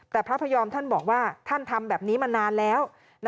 แต่พระพยอมท่านบอกว่าท่านทำแบบนี้มานานแล้ว